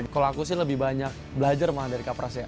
kalau aku sih lebih banyak belajar mah dari kak pras ya